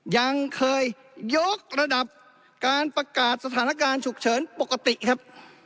ยังเคยยกระดับการประกาศสถานการณ์ฉุกเฉินปกติครับ